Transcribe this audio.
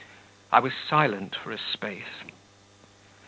I was silent for a space.